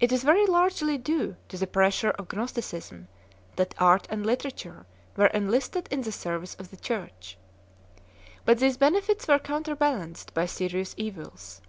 It is very largely due to the pressure of Gnosticism that art and literature were enlisted in the service of the Church. But these benefits were counter balanced by serious evils.